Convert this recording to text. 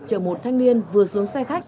chợ một thanh niên vừa xuống xe khách